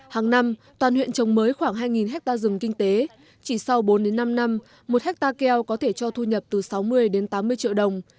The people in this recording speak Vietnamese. hàng năm toàn huyện trồng mới khoảng hai hectare rừng kinh tế chỉ sau bốn đến năm năm một hectare keo có thể cho thu nhập từ sáu mươi đến tám mươi triệu đồng